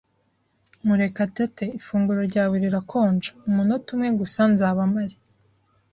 "Murekatete, ifunguro ryawe rirakonja." "Umunota umwe gusa. Nzaba mpari."